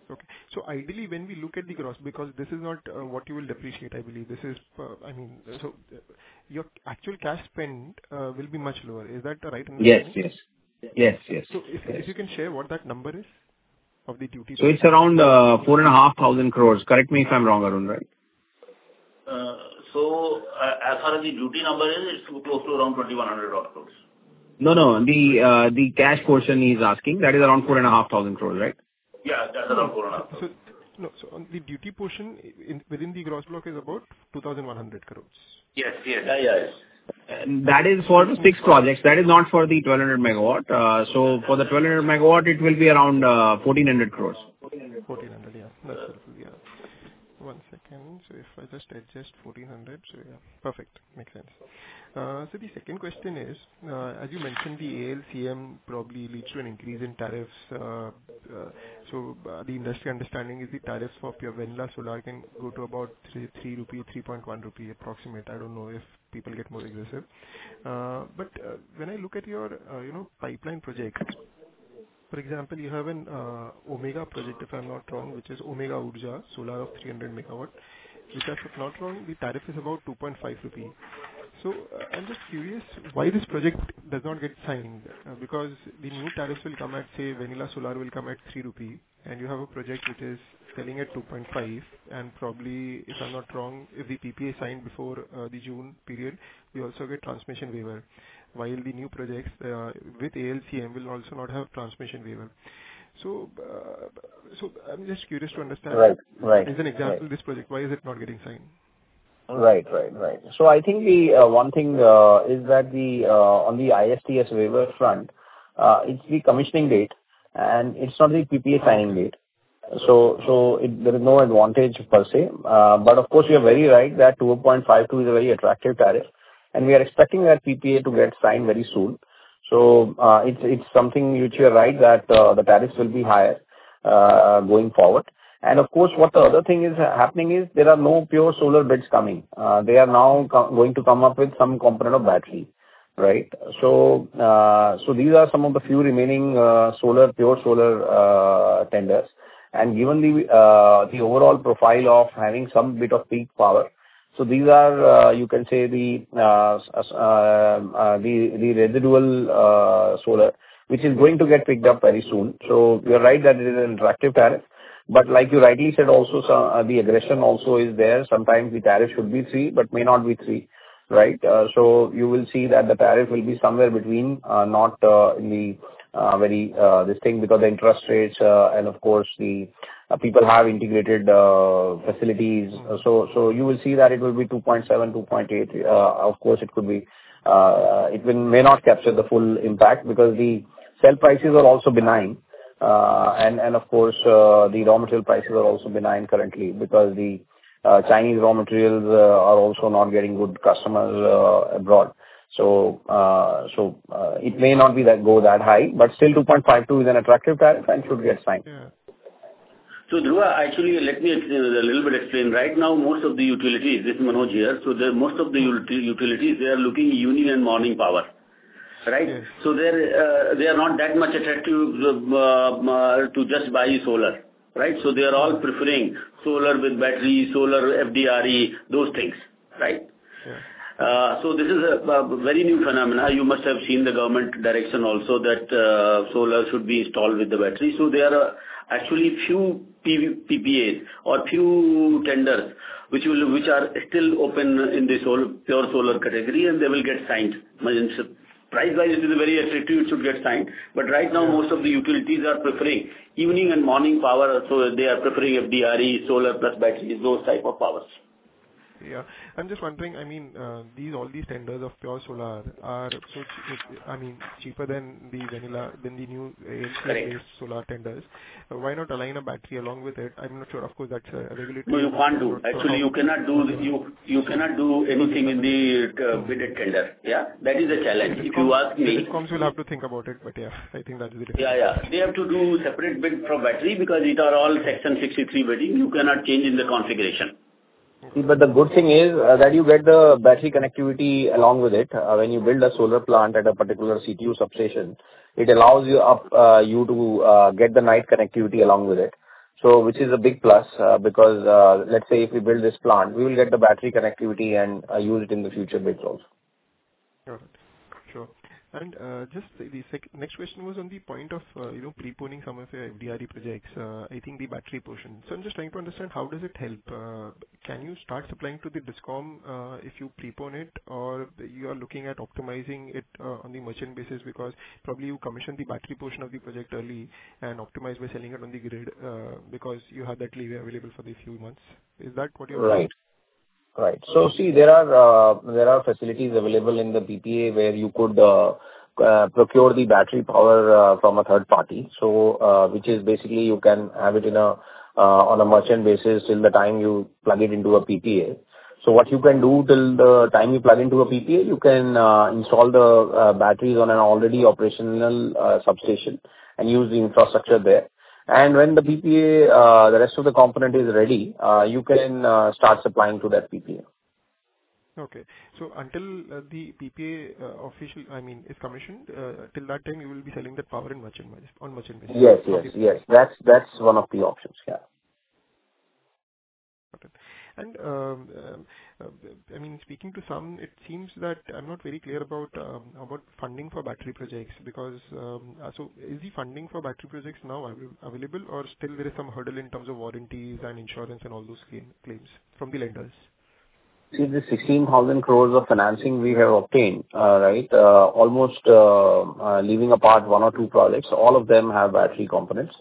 Okay. Ideally, when we look at the gross, because this is not what you will depreciate, I believe. This is, I mean, so your actual cash spend will be much lower. Is that right? Yes, yes. Yes, yes. If you can share what that number is of the duty portion. It is around 4,500 crore. Correct me if I am wrong, Arun, right? As far as the duty number is, it is close to around 2,100 crore. No, no. The cash portion he is asking, that is around 4,500 crore, right? Yeah. That is around 4,500 crore. No, sir. The duty portion within the gross block is about 2,100 crore. Yes, yes. That is for the six projects. That is not for the 1,200 MW. For the 1,200 MW, it will be around 1,400 crore. 1,400 crore. INR 1,400 crore, yes. That is it. Yeah. One second. If I just adjust 1,400 crore, yeah. Perfect. Makes sense. The second question is, as you mentioned, the ALCM probably leads to an increase in tariffs. The industry understanding is the tariffs for pure vendor solar can go to about 3 rupees, 3.1 rupee approximate. I do not know if people get more aggressive. When I look at your pipeline projects, for example, you have an Omega project, if I am not wrong, which is Omega Ujja Solar of 300 MW. If that is not wrong, the tariff is about 2.5 rupees. I am just curious why this project does not get signed because the new tariffs will come at, say, vanilla solar will come at 3 rupees, and you have a project which is selling at 2.5. Probably, if I am not wrong, if the PPA is signed before the June period, you also get transmission waiver, while the new projects with ALCM will also not have transmission waiver. I'm just curious to understand, as an example, this project, why is it not getting signed? Right, right, right. I think the one thing is that on the GEIST waiver front, it's the commissioning date, and it's not the PPA signing date. There is no advantage per se. Of course, you are very right that 2.52 is a very attractive tariff, and we are expecting that PPA to get signed very soon. It's something which you are right that the tariffs will be higher going forward. Of course, what the other thing is happening is there are no pure solar bids coming. They are now going to come up with some component of battery, right? These are some of the few remaining pure solar tenders. Given the overall profile of having some bit of peak power, these are, you can say, the residual solar which is going to get picked up very soon. You are right that it is an attractive tariff. Like you rightly said, also the aggression also is there. Sometimes the tariff should be three, but may not be three, right? You will see that the tariff will be somewhere between, not in the very this thing because the interest rates and, of course, the people have integrated facilities. You will see that it will be 2.7-2.8. Of course, it could be it may not capture the full impact because the sell prices are also benign. The raw material prices are also benign currently because the Chinese raw materials are also not getting good customers abroad. It may not go that high, but still 2.52 is an attractive tariff and should get signed. Dhruv, actually, let me a little bit explain. Right now, most of the utilities—this is Manoj here—most of the utilities, they are looking union and morning power, right? They are not that much attractive to just buy solar, right? They are all preferring solar with battery, solar FDRE, those things, right? This is a very new phenomenon. You must have seen the government direction also that solar should be installed with the battery. There are actually few PPAs or few tenders which are still open in the pure solar category, and they will get signed. Price-wise, it is very attractive; it should get signed. Right now, most of the utilities are preferring evening and morning power. They are preferring FDRE, solar plus batteries, those type of powers. Yeah. I'm just wondering, I mean, all these tenders of pure solar are so, I mean, cheaper than the new ALCM-based solar tenders. Why not align a battery along with it? I'm not sure. Of course, that's a regulatory— No, you can't do. Actually, you cannot do anything in the bidded tender. Yeah? That is the challenge. If you ask me. The coms will have to think about it, but yeah, I think that is the— Yeah, yeah. They have to do separate bid for battery because it is all Section 63 bidding. You cannot change in the configuration. But the good thing is that you get the battery connectivity along with it. When you build a solar plant at a particular CTU substation, it allows you to get the night connectivity along with it, which is a big plus because, let's say, if we build this plant, we will get the battery connectivity and use it in the future bids also. Got it. Sure. The next question was on the point of pre-poning some of your FDRE projects. I think the battery portion—so I'm just trying to understand how does it help. Can you start supplying to the DISCOM if you pre-pone it, or you are looking at optimizing it on the merchant basis because probably you commissioned the battery portion of the project early and optimized by selling it on the grid because you have that lever available for the few months? Is that what you're— Right. Right. See, there are facilities available in the PPA where you could procure the battery power from a third party, which is basically you can have it on a merchant basis till the time you plug it into a PPA. What you can do till the time you plug into a PPA, you can install the batteries on an already operational substation and use the infrastructure there. When the rest of the component is ready, you can start supplying to that PPA. Okay. Until the PPA official, I mean, is commissioned, till that time, you will be selling that power on merchant basis? Yes, yes, yes. That is one of the options. Yeah. Got it. I mean, speaking to some, it seems that I'm not very clear about funding for battery projects because is the funding for battery projects now available, or still there is some hurdle in terms of warranties and insurance and all those claims from the lenders? In the 16,000 crores of financing we have obtained, right, almost leaving apart one or two projects, all of them have battery components.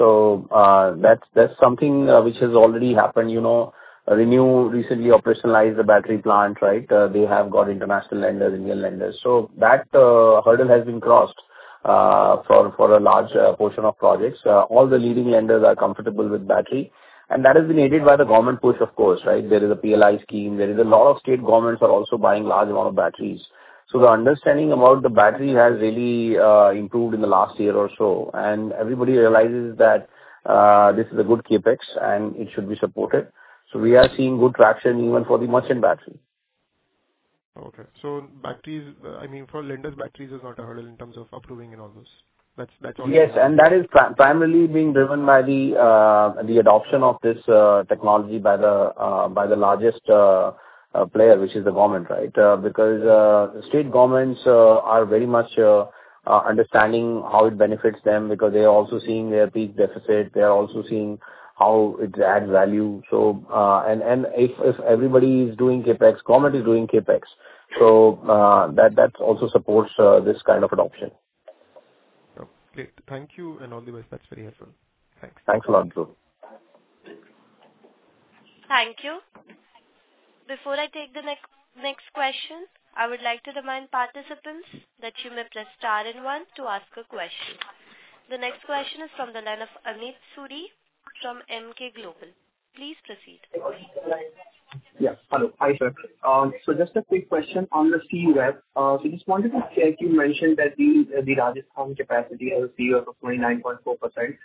That is something which has already happened. Renew recently operationalized the battery plant, right? They have got international lenders, Indian lenders. That hurdle has been crossed for a large portion of projects. All the leading lenders are comfortable with battery. That has been aided by the government push, of course, right? There is a PLI scheme. There are a lot of state governments that are also buying large amounts of batteries. The understanding about the battery has really improved in the last year or so. Everybody realizes that this is a good CapEx, and it should be supported. We are seeing good traction even for the merchant battery. Okay. Batteries, I mean, for lenders, batteries is not a hurdle in terms of approving and all those. That is primarily being driven by the adoption of this technology by the largest player, which is the government, right? State governments are very much understanding how it benefits them because they are also seeing their peak deficit. They are also seeing how it adds value. If everybody is doing CapEx, government is doing CapEx. That also supports this kind of adoption. Okay. Thank you. Otherwise, that is very helpful. Thanks. Thanks a lot, Dhruv. Thank you. Before I take the next question, I would like to remind participants that you may press star and one to ask a question. The next question is from the line of Anit Suri from Emkay Global. Please proceed. Yes. Hello. Sure. So just a quick question on the CUF. I just wanted to check. You mentioned that the Rajasthan capacity has a CUF of 29.4%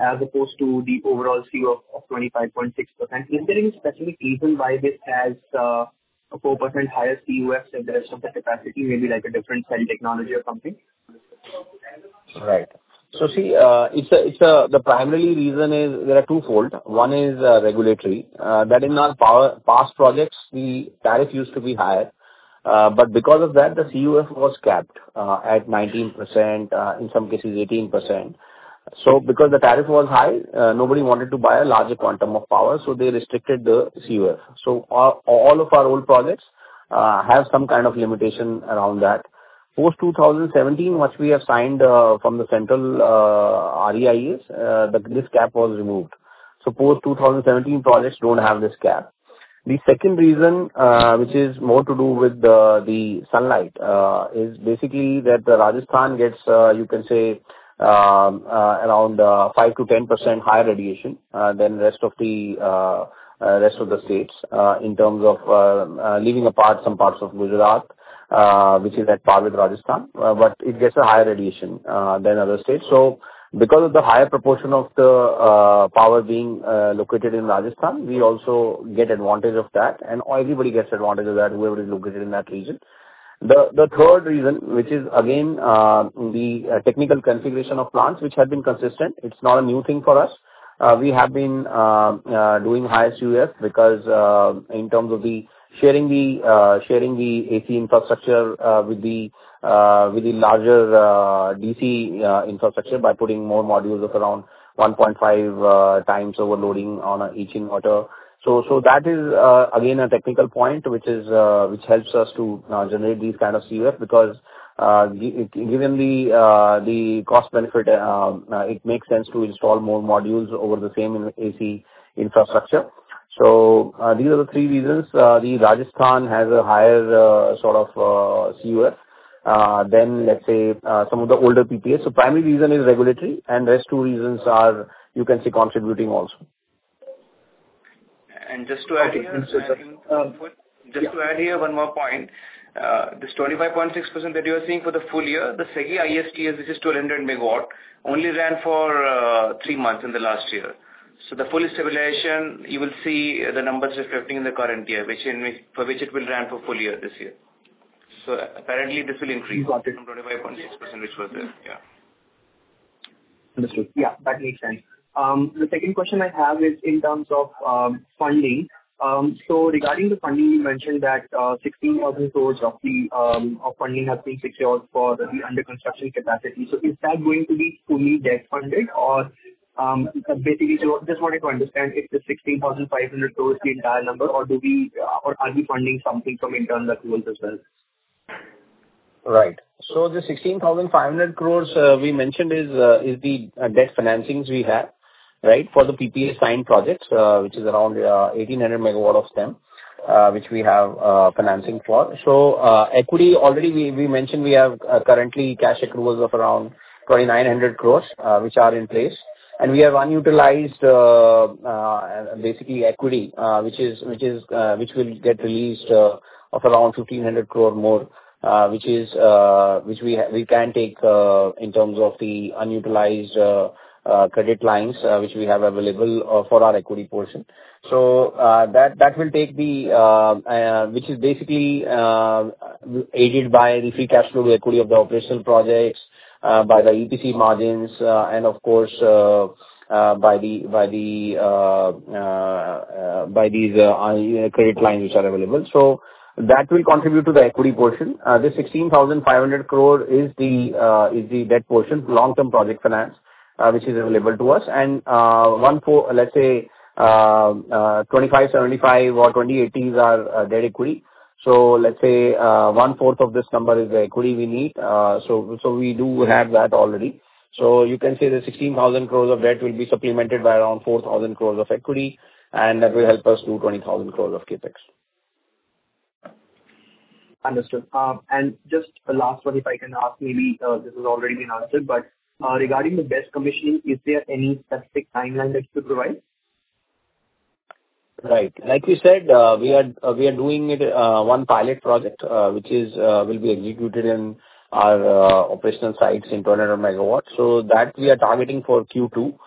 as opposed to the overall CUF of 25.6%. Is there any specific reason why this has a 4% higher CUF than the rest of the capacity, maybe like a different cell technology or something? Right. The primary reason is there are twofold. One is regulatory. In our past projects, the tariff used to be higher. Because of that, the CUF was capped at 19%, in some cases 18%. Because the tariff was high, nobody wanted to buy a larger quantum of power, so they restricted the CUF. All of our old projects have some kind of limitation around that. Post 2017, once we have signed from the central REIAs, this cap was removed. Post 2017, projects do not have this cap. The second reason, which is more to do with the sunlight, is basically that Rajasthan gets, you can say, around 5-10% higher radiation than the rest of the states in terms of leaving apart some parts of Gujarat, which is at par with Rajasthan. It gets a higher radiation than other states. Because of the higher proportion of the power being located in Rajasthan, we also get advantage of that. Everybody gets advantage of that, whoever is located in that region. The third reason, which is, again, the technical configuration of plants, which has been consistent. It's not a new thing for us. We have been doing higher CUF because in terms of sharing the AC infrastructure with the larger DC infrastructure by putting more modules of around 1.5 times overloading on each inverter. That is, again, a technical point which helps us to generate these kinds of CUF because given the cost-benefit, it makes sense to install more modules over the same AC infrastructure. These are the three reasons. Rajasthan has a higher sort of CUF than, let's say, some of the older PPAs. The primary reason is regulatory. The rest two reasons are, you can see, contributing also. Just to add here, one more point. This 25.6% that you are seeing for the full year, the GEIST, which is 200 MW, only ran for three months in the last year. The full stabilization, you will see the numbers reflecting in the current year, for which it will run for the full year this year. Apparently, this will increase from 25.6%, which was there. Yeah. Understood. Yeah. That makes sense. The second question I have is in terms of funding. Regarding the funding, you mentioned that 16,000 crore roughly of funding have been secured for the under-construction capacity. Is that going to be fully debt-funded, or basically, just wanted to understand if the 16,500 crore is the entire number, or are we funding something from internal accruals as well? Right. The 16,500 crore we mentioned is the debt financings we have, right, for the PPA signed projects, which is around 1,800 MW of ASTM, which we have financing for. Equity, already we mentioned we have currently cash accruals of around 2,900 crore, which are in place. We have unutilized, basically, equity, which will get released of around 1,500 crore more, which we can take in terms of the unutilized credit lines which we have available for our equity portion. That will take the, which is basically aided by the free cash flow equity of the operational projects, by the EPC margins, and of course, by these credit lines which are available. That will contribute to the equity portion. The 16,500 crore is the debt portion, long-term project finance, which is available to us. Let's say 25-75 or 20-80s are debt equity. Let's say one-fourth of this number is the equity we need. We do have that already. You can see the 16,000 crores of debt will be supplemented by around 4,000 crores of equity, and that will help us do 20,000 crores of CapEx. Understood. Just the last one, if I can ask, maybe this has already been answered, but regarding the BESS commissioning, is there any specific timeline that you could provide? Right. Like we said, we are doing one pilot project, which will be executed in our operational sites in 200 MW. We are targeting that for Q2,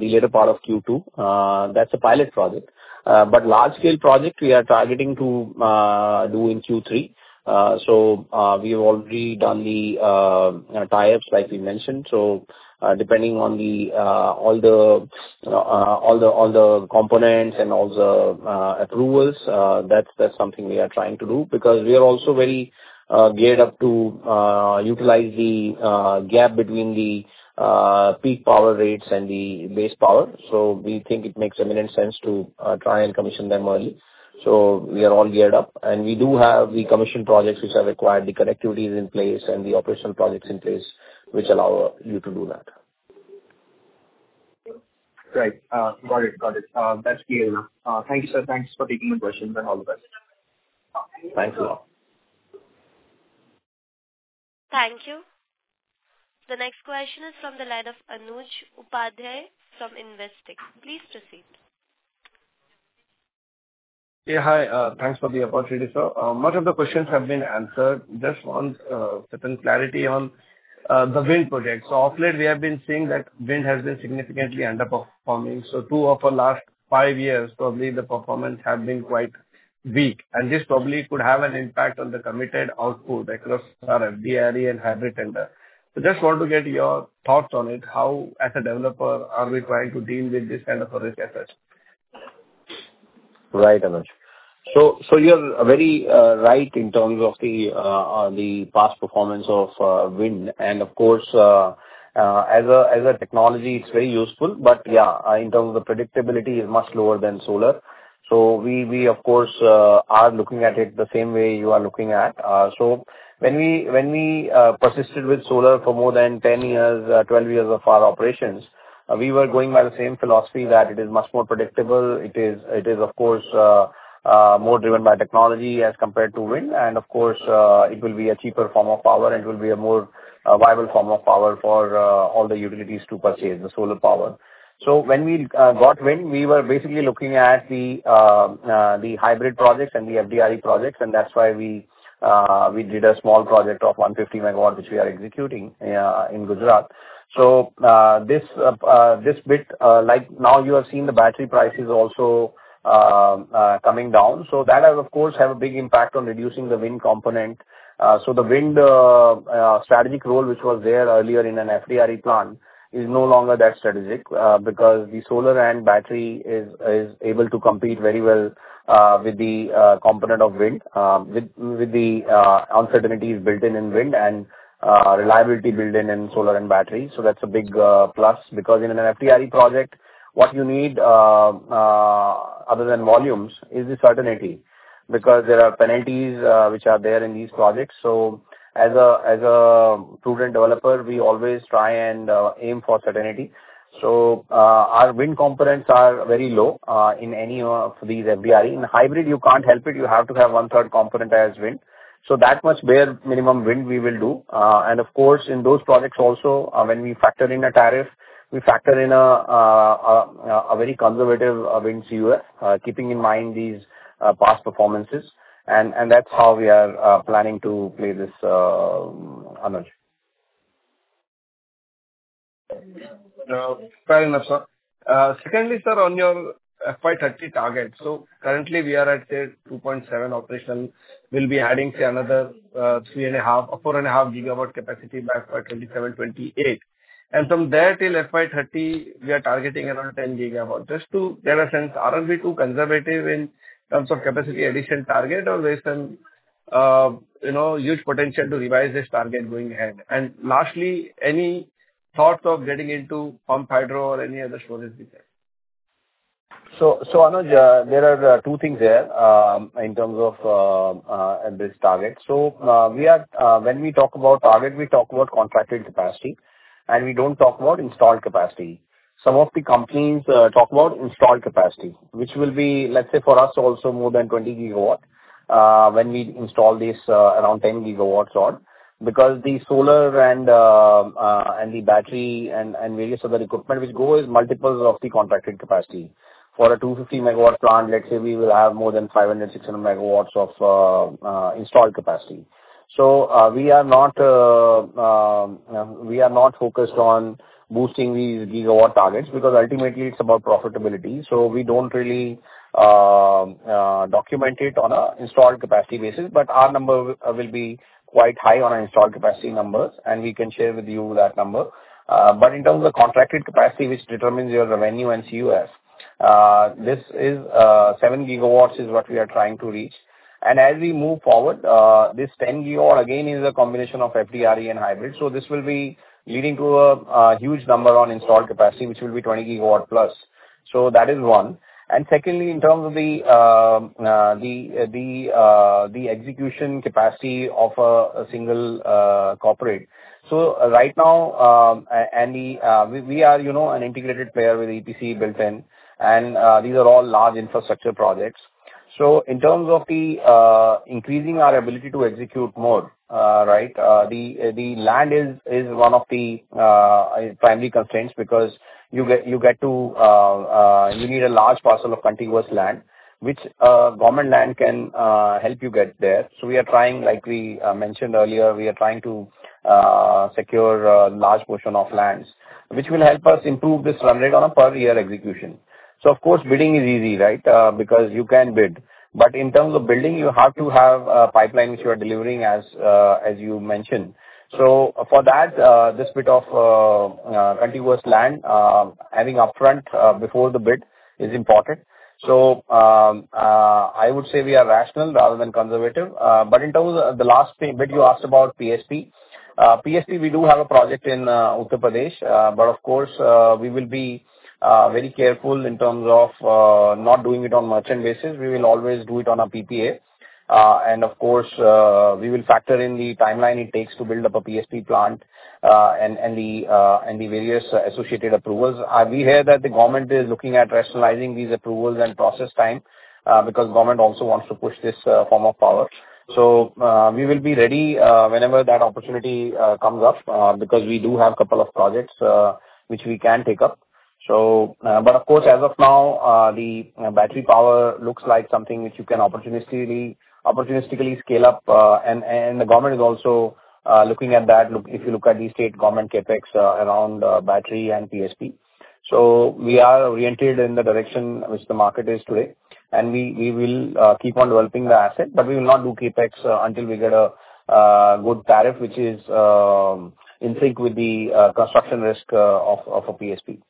the later part of Q2. That is a pilot project. Large-scale project, we are targeting to do in Q3. We have already done the tie-ups, like we mentioned. Depending on all the components and all the accruals, that's something we are trying to do because we are also very geared up to utilize the gap between the peak power rates and the base power. We think it makes imminent sense to try and commission them early. We are all geared up. We commission projects which have required the connectivity in place and the operational projects in place, which allow you to do that. Right. Got it. Got it. That's clear enough. Thank you, sir. Thanks for taking my questions. All the best. Thanks a lot. Thank you. The next question is from the line of Anuj Upadhyay from Investec. Please proceed. Yeah. Hi. Thanks for the opportunity, sir. Much of the questions have been answered. Just want certain clarity on the wind project. Offline, we have been seeing that wind has been significantly underperforming. Two of our last five years, probably the performance has been quite weak. This probably could have an impact on the committed output across our FDRE and hybrid tender. Just want to get your thoughts on it. How, as a developer, are we trying to deal with this kind of a risk asset? Right, Anuj. You are very right in terms of the past performance of wind. Of course, as a technology, it is very useful. In terms of the predictability, it is much lower than solar. We, of course, are looking at it the same way you are looking at it. When we persisted with solar for more than 10 years, 12 years of our operations, we were going by the same philosophy that it is much more predictable. It is, of course, more driven by technology as compared to wind. Of course, it will be a cheaper form of power, and it will be a more viable form of power for all the utilities to purchase the solar power. When we got wind, we were basically looking at the hybrid projects and the FDRE projects. That is why we did a small project of 150 MW, which we are executing in Gujarat. This bit, like now you have seen the battery prices also coming down. That, of course, has a big impact on reducing the wind component. The wind strategic role, which was there earlier in an FDRE plan, is no longer that strategic because the solar and battery is able to compete very well with the component of wind, with the uncertainties built in in wind and reliability built in in solar and battery. That's a big plus because in an FDRE project, what you need other than volumes is the certainty because there are penalties which are there in these projects. As a prudent developer, we always try and aim for certainty. Our wind components are very low in any of these FDRE. In hybrid, you can't help it. You have to have one-third component as wind. That much bare minimum wind we will do. Of course, in those projects also, when we factor in a tariff, we factor in a very conservative wind CUF, keeping in mind these past performances. That is how we are planning to play this, Anuj. Fair enough, sir. Secondly, sir, on your FY2030 target, currently we are at, say, 2.7 operational. We will be adding, say, another 3.5-4.5 GW capacity by FY2027-2028. From there till FY2030, we are targeting around 10 GW. Just to get a sense, are we too conservative in terms of capacity addition target, or is there some huge potential to revise this target going ahead? Lastly, any thoughts of getting into pump hydro or any other storage detail? Anuj, there are two things there in terms of this target. When we talk about target, we talk about contracted capacity, and we do not talk about installed capacity. Some of the companies talk about installed capacity, which will be, let's say, for us also more than 20 GW when we install this around 10 GW on because the solar and the battery and various other equipment which go is multiples of the contracted capacity. For a 250-MW plant, let's say we will have more than 500 MW-600 MW of installed capacity. We are not focused on boosting these GW targets because ultimately it's about profitability. We don't really document it on an installed capacity basis. Our number will be quite high on our installed capacity numbers, and we can share with you that number. In terms of contracted capacity, which determines your revenue and CUF, this is 7 GW is what we are trying to reach. As we move forward, this 10 GW again is a combination of FDRE and hybrid. This will be leading to a huge number on installed capacity, which will be 20+ GW. That is one. Secondly, in terms of the execution capacity of a single corporate, right now, we are an integrated player with EPC built-in, and these are all large infrastructure projects. In terms of increasing our ability to execute more, the land is one of the primary constraints because you need a large parcel of contiguous land, which government land can help you get there. We are trying, like we mentioned earlier, to secure a large portion of lands, which will help us improve this run rate on a per-year execution. Of course, bidding is easy, right, because you can bid. In terms of building, you have to have a pipeline which you are delivering, as you mentioned. For that, this bit of contiguous land having upfront before the bid is important. I would say we are rational rather than conservative. In terms of the last thing you asked about PSP, we do have a project in Uttar Pradesh. Of course, we will be very careful in terms of not doing it on merchant basis. We will always do it on a PPA. Of course, we will factor in the timeline it takes to build up a PSP plant and the various associated approvals. We hear that the government is looking at rationalizing these approvals and process time because government also wants to push this form of power. We will be ready whenever that opportunity comes up because we do have a couple of projects which we can take up. Of course, as of now, the battery power looks like something which you can opportunistically scale up. The government is also looking at that if you look at the state government CapEx around battery and PSP. We are oriented in the direction which the market is today. We will keep on developing the asset. We will not do CapEx until we get a good tariff, which is in sync with the construction risk of a PSP.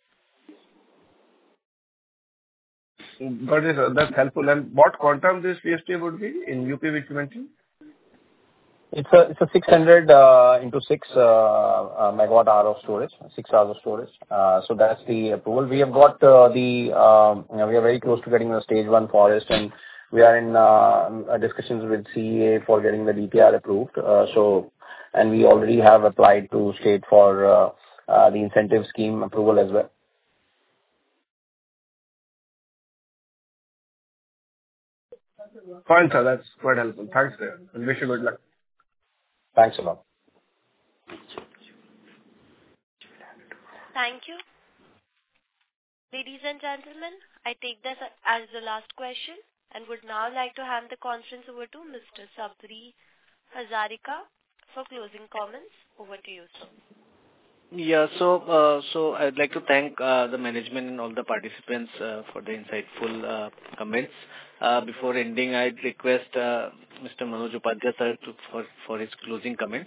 That's helpful. What quantum this PSP would be in UP which you mentioned? It's a 600 into 6 MW hour of storage, 6 hours of storage. That's the approval. We are very close to getting the stage one forest. We are in discussions with CEA for getting the DTR approved. We already have applied to state for the incentive scheme approval as well. Fine, sir. That is quite helpful. Thanks, sir. Wish you good luck. Thanks a lot. Thank you. Ladies and gentlemen, I take this as the last question and would now like to hand the conference over to Mr. Sabri Hazarika for closing comments. Over to you, sir. Yeah. I would like to thank the management and all the participants for the insightful comments. Before ending, I would request Mr. Manoj Kumar Upadhyay, sir, for his closing comment.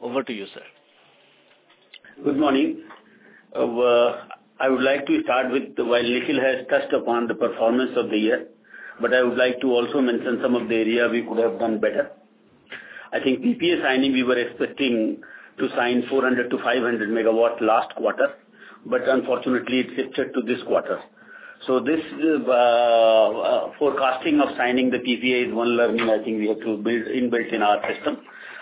Over to you, sir. Good morning. I would like to start with while Nikhil has touched upon the performance of the year, I would also like to mention some of the areas we could have done better. I think PPA signing, we were expecting to sign 400 MW-500 MW last quarter, but unfortunately, it shifted to this quarter. This forecasting of signing the PPA is one learning I think we have to build in built-in our system.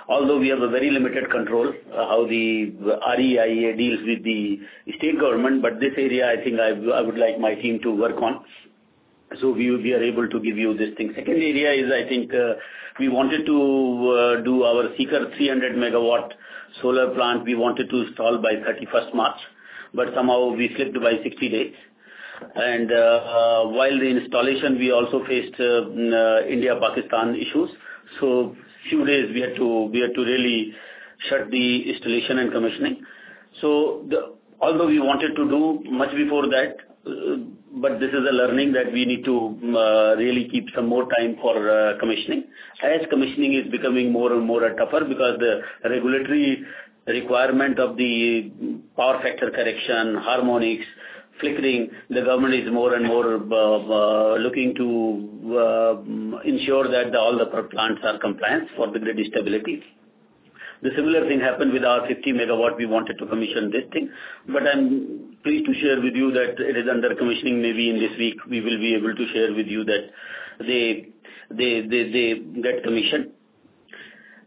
Although we have very limited control how the REIA deals with the state government, this area, I think I would like my team to work on so we are able to give you this thing. Second area is, I think we wanted to do our Sikar 300 MW solar plant. We wanted to install by 31 March, but somehow we slipped by 60 days. While the installation, we also faced India-Pakistan issues. A few days, we had to really shut the installation and commissioning. Although we wanted to do much before that, this is a learning that we need to really keep some more time for commissioning. As commissioning is becoming more and more tougher because the regulatory requirement of the power factor correction, harmonics, flickering, the government is more and more looking to ensure that all the plants are compliant for the grid stability. The similar thing happened with our 50 MW. We wanted to commission this thing. I am pleased to share with you that it is under commissioning. Maybe in this week, we will be able to share with you that they get commissioned.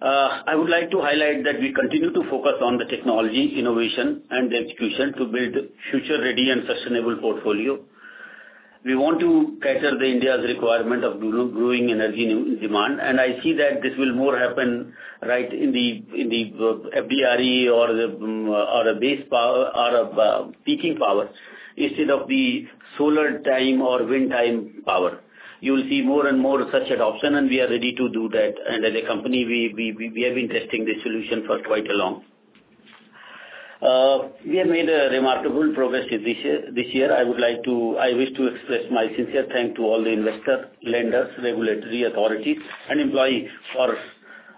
I would like to highlight that we continue to focus on the technology, innovation, and the execution to build a future-ready and sustainable portfolio. We want to cater to India's requirement of growing energy demand. I see that this will more happen right in the FDRE or a base power or a peaking power instead of the solar time or wind time power. You will see more and more such adoption. We are ready to do that. As a company, we have been testing this solution for quite a long time. We have made remarkable progress this year. I wish to express my sincere thanks to all the investors, lenders, regulatory authorities, and employees for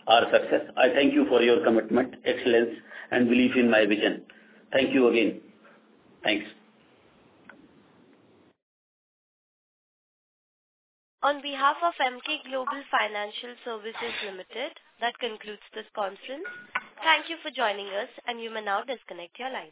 our success. I thank you for your commitment, excellence, and belief in my vision. Thank you again. Thanks. On behalf of Emkay Global Financial Services Limited, that concludes this conference. Thank you for joining us, and you may now disconnect your line.